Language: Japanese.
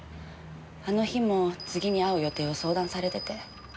あの日も次に会う予定を相談されてて。